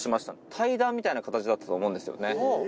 対談みたいな形だったと思うんですよね。